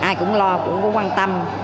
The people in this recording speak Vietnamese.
ai cũng lo cũng có quan tâm